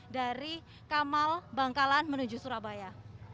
dari kamal bangkalan menuju surabaya